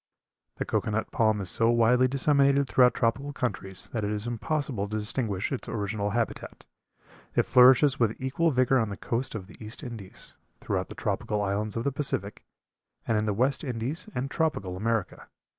The cocoa nut palm is so widely disseminated throughout tropical countries that it is impossible to distinguish its original habitat. It flourishes with equal vigor on the coast of the East Indies, throughout the tropical islands of the Pacific, and in the West Indies and tropical America.